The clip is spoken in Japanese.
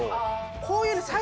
こういう。